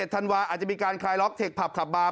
ธันวาอาจจะมีการคลายล็อกเทคผับขับบาร์